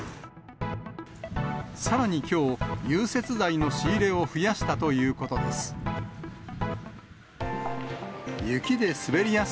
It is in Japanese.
さらにきょう、融雪剤の仕入れを増やしたということです。